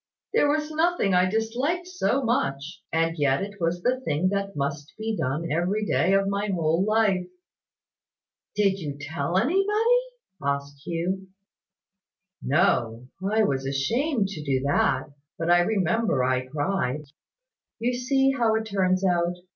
There was nothing I disliked so much; and yet it was the thing that must be done every day of my whole life." "Did you tell anybody?" asked Hugh. "No; I was ashamed to do that: but I remember I cried. You see how it turns out.